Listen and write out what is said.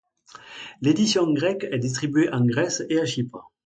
L’édition grecque est distribuée en Grèce et à Chypre.